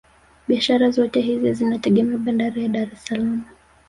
Biashara zote hizi zinategemea bandari ya Dar es salaam